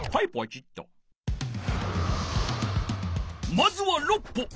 まずは６歩。